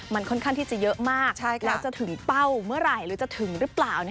มันค่อนข้างที่จะเยอะมากแล้วจะถึงเป้าเมื่อไหร่หรือจะถึงหรือเปล่า